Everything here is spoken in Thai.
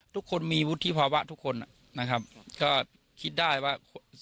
ลุงพลบอกว่ามันก็เป็นการทำความเข้าใจกันมากกว่าเดี๋ยวลองฟังดูค่ะ